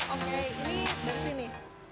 oke ini dari sini